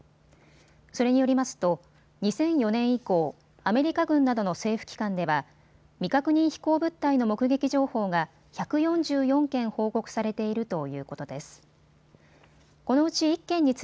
それによりますと２００４年以降、アメリカ軍などの政府機関では未確認飛行物体の目撃情報が１４４件報告されているということです。